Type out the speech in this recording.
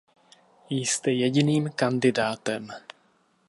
Jste jediným kandidátem.